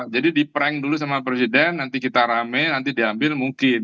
jadi di prank dulu sama presiden nanti kita rame nanti di ambil mungkin